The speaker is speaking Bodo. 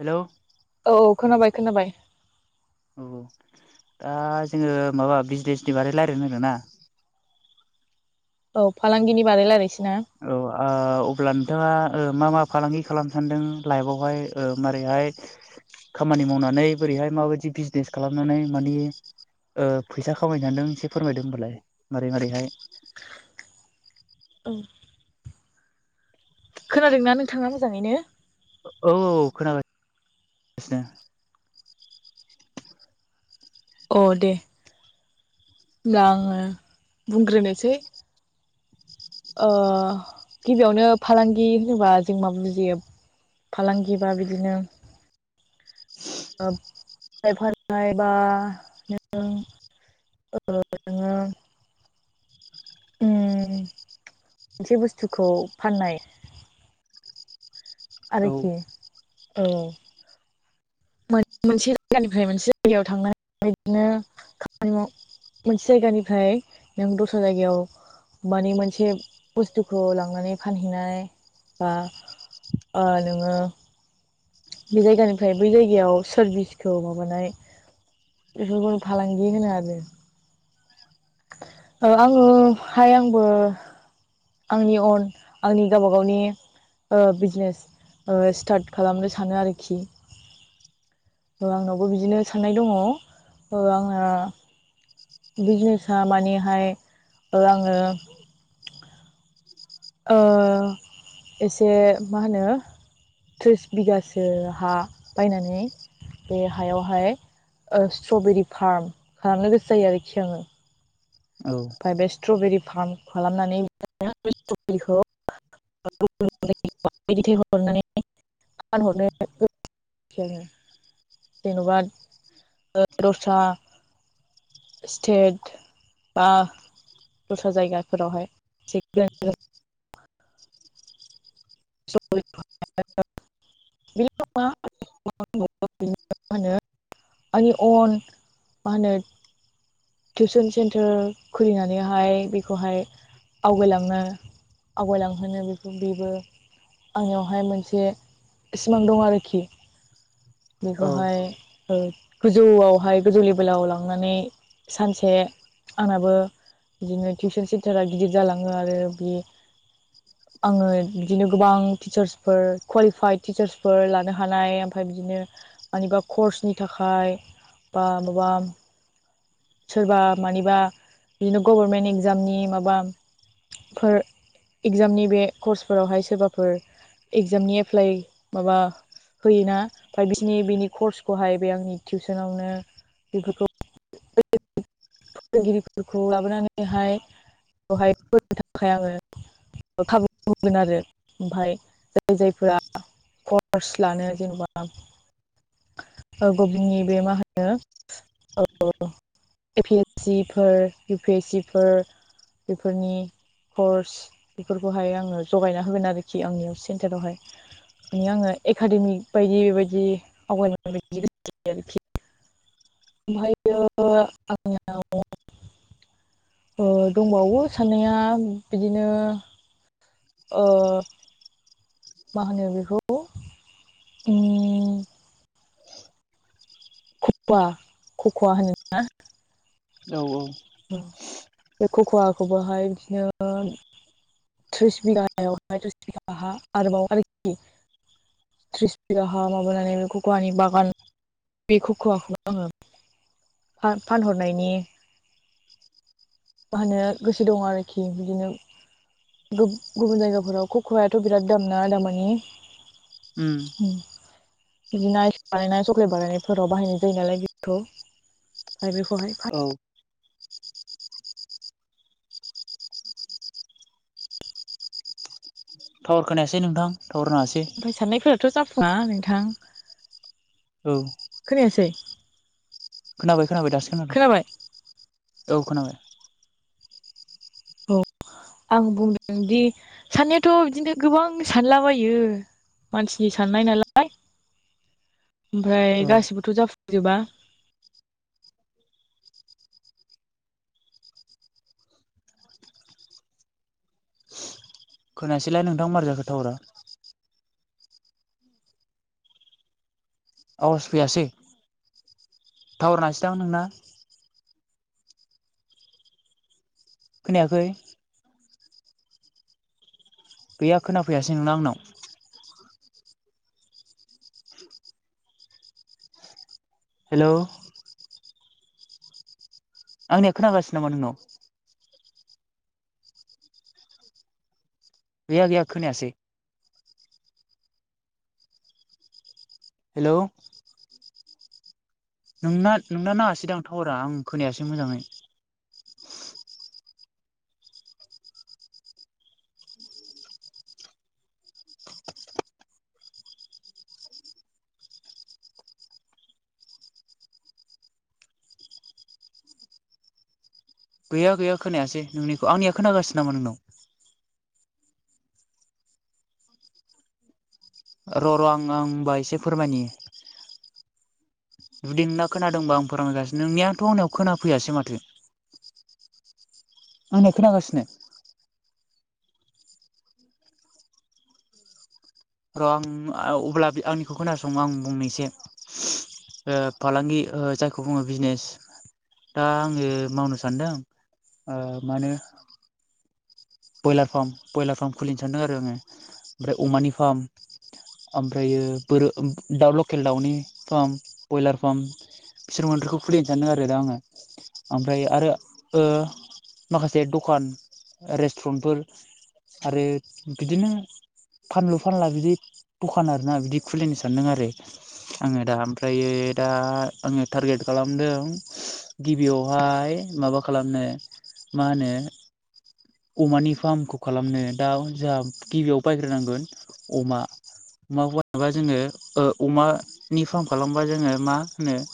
हेल'। औ खोनाबाय खोनाबाय। औ दा जोङो माबा बिजनेसनि बारै लायरायनो आरोना। औ फालांगिनि बाराय लायरायनोसै ना? औ ओ अब्ला नोंथाङा ओ मा मा फालांगि खालामनो सान्दों लाइफआवहाय मारैहाय खामानि मावनानै बोरैहाय माबायदि बिजनेस खालामनानै मानि ओ फैसा खामायनो सान्दों एसे फोरमायदों होनबालाय मारै मारैहाय। [unintelligible] खोनादोंना नोंथाङा मोजाङैनो? औ औ खोनादों। [unintelligible] अ दे होनब्ला आङो बुंग्रोनोसै। ओ गिबियावनो फालांगि होनोबा जों मा बुजियो फालांगिबा बिदिनो फाइ फाननाय बा ननो ओ जोङो उम मोनसे बुस्थुखौ फाननाय औ आरोखि। औ मोनसे जायगानिफ्राय मोनसे जायगायाव थांनानै बिदिनो खामानि माव मोनसे जायगानिफ्राय नों दस्रा जायगायाव मानि मोनसे बुस्थुखौ लांनानै फानहैनाय बा ओ नोङो बे जायगानिफ्राय बै जायगायाव सार्भिसखौ माबानाय बेफोरखौनो फालांगि होनो आरो ओ आङोहाय आंबो आंनि अन आंनि गावब गावनि ओ बिजनेस स्टार्ट खालामनो सानो आरोखि ओ आंनावबो बिदिनो साननाय दङ ओ आंओ बिजनेसा मानिहाय ओ आङो ओ एसे मा होनो थ्रिस बिगासो हा बायनानै बे हायावहाय ओ स्ट्रबेरि फार्म खालामनो गोसो जायो आरोखि आङो औ आमफ्राय बे स्ट्रबेरि फार्म खालामनानै [unintelligible] खौ [unintelligible] [unintelligible] जेन'बा दर्सा स्टेट बा दस्रा जायगाफोरावहाय बेल' [unintelligible] [unintelligible] आंनि अन मा होनो टिउसन सेन्टार खुलिनानैहाय बेखौहाय आवगायलांनो आवगायलांहोनो बेखौ बेबो आंनियावहाय मोनसे सिमां दं आरोखि औ बेखौहाय ओ गोजौआवहाय गोजौ लेभेलाव लांनानै सानसे आंनाबो बिदिनो टिउसन सेन्टारा गिदिर जालाङो आरो बे आङो बिदिनो गोबां टिचार्सफोर क्वालिफाइड टिचार्सफोर लानो हानाय ओमफ्राय बिदिनो मानिबा कर्सनि थाखाय बा माबा सोरबा मानिबा बिदिनो गभर्नमेन्ट एगजामनि माबाफोर इगजामनि बे कर्सफोरावहाय सोरबाफोर इगजामनि एप्लाइ माबा होयोना ओमफ्राय बिसिनि बैनि कर्सखौहाय बे आंनि टिउसनावनो बेफोरखौ [unintelligible] फोरोंगिरिफोरखौ लाबोनानैहाय बेवहायनो [unintelligible] थाखाय आङो खाबु मोनगोन आरो ओमफाय जाय जायफोरा कर्स लानो जेनेबा ओ गबमेन्थनि बे मा होनो [unintelligible] एपिएससि फोर इउपिएससि फोर बेफोरनि कर्स बेफोरखौहाय आङो जगायना होगोन आरोखि आंनियाव सेन्टारावहाय ने आङो एकाडेमिक बायदि बायदि आवगायलांनाय बायदि [unintelligible] [unintelligible] ओ दंबावो साननाया बिदिनो अ मा होनो बेखौ [unintelligible] खख'वा खख'वा होनो औ औ बे खख'वाखौबोहाय बिदिनो थ्रिस बिगायावाय [unintelligible] आरोबाव आरोखि थ्रिस बिगा हा माबानानै बे खक'वानि बागान बे [unintelligible] आङो फा-फानहरनायनि [unintelligible] गोसो दं आरोखि बिदिनो गुब गुबुन जायगाफोराव खख'याथ' बिराद दाम ना दामानि उम [unintelligible] बिदिनो आइस बानायनाय सक्लेट बानायनायफोराव बाहायनाय जायो नालाय गथखौ [unintelligible] मफ्राय बेखौहाय औ टावार खोनायासै नोंथां टावार नाङासै ओमफ्राय [unintelligible] साननायफोराथ' जाफुङा नोंथां औ खोनायासै खोनाबाय खोनाबाय दासो खोनाबाय खोनादों औ खोनाबाय। औ आं बुंदों दि साननायाथ' बिदिनो गोबां सानलाबायो। मानसिनि साननाय नालाय ओमफ्राय औ गासिबोथ' जाफुंजोबा खोनायासैलाय नोंथां मारै जाखो टावारा? आवाज फैयासै टावार नाङासै दां नोंना खोनायाखै गैया खोनाफैयासै नोंना आंनाव हेल' आंनिया खोनागासिनो नामा नोंनाव? गैया गैया खोनायासै हेलौ नोंना नोंना नाङासै दां टावारा आं खोनायासै मोजाङै। गैया गैया खोनायासै नोंनिखौ आंनिया खोनागासिनो नामा नोंनाव? र' र' आं आं होनबा एसे फोरमायनि जुदि नोंना खोनादोंबा आं फोरमायगासिनो नोंनियाथ' आंनियाव खोनाफैयासै माथो। आं नै खोनागासिनो? [unintelligible] आं अब्ला आंनिखौ खोनासं आं बुंनि एसै ओ फालांगि ओ जायखौ बुङो बिजनेस दा आङो मावनो सानदों ओ मा नो ब्रयलार फार्म ब्रयलार फार्म खुलिनो सानदों आरो आङो ओमफ्राय अमानि फार्म। ओमफ्रायो बोर दाउ लकेल दाउनि फार्म बयलार फार्म। बिसोर [unintelligible] मोन्नैखौ खुलिनो सानदों आरो दा आङो। ओमफ्राय ओ आरो माखासे दखान रेस्टुरेन्टफोर आरो बिदिनो फानलु फानला बिदि दखान आरोना बिदि खुलिनो सानदों आरो। आङो दा ओमफ्र दा आङो टारगेट खालामदों गिबियावहाय माबा खालामनो मा होनो अमानि फार्मखौ खालामनो दा जोंहा गिबियाव बायग्रोनांगोन अमा। अमाखौ [unintelligible] जोङो अमानि फार्म खालामबा जोङो मा होनो?